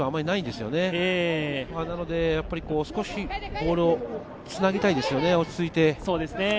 なので、少しボールをつなぎたいですね、落ち着いて。